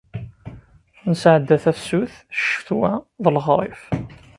Nesɛedda tafsut, ccetwa d lexrif.